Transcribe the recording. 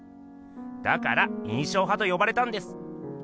だから「印象派」と呼ばれたんです。